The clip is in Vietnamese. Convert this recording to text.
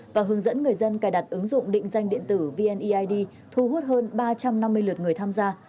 và hướng dẫn người dân cài đặt ứng dụng định danh điện tử vneid thu hút hơn ba trăm năm mươi lượt người tham gia